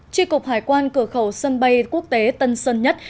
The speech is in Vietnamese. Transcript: tri cục hải quan cửa khẩu sân bay quốc tế tân sơn nhất